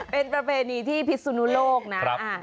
เป็นประเพณีที่พิสุนุโลกนะ